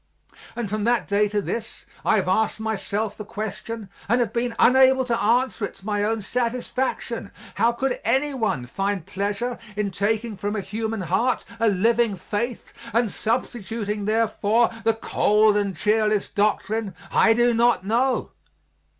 And from that day to this I have asked myself the question and have been unable to answer it to my own satisfaction, how could anyone find pleasure in taking from a human heart a living faith and substituting therefor the cold and cheerless doctrine, "I do not know."